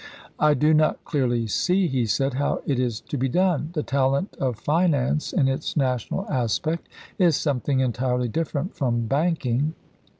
"I do not clearly see," he said, " how it is to be done; the talent of finance in its national aspect is something entirely different from banking.